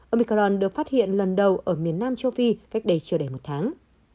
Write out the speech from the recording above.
omicron được phát hiện lần đầu ở miền nam châu phi cách đây chiều đầy một tháng